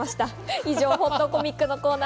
以上、ほっとコミックのコーナー